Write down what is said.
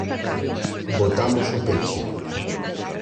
Botamos o peche.